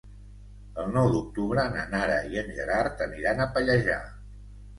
El nou d'octubre na Nara i en Gerard aniran a Pallejà.